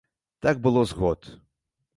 Так было з год.